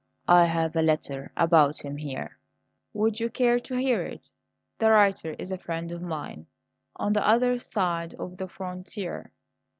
I have a letter about him here. Would you care to hear it? The writer is a friend of mine on the other side of the frontier."